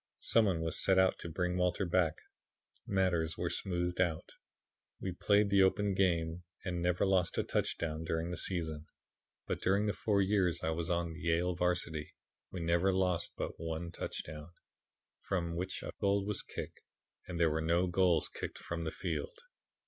Some one was sent out to bring Walter back; matters were smoothed out; we played the open game and never lost a touchdown during the season. But during the four years I was on the Yale varsity we never lost but one touchdown, from which a goal was kicked and there were no goals kicked from the field.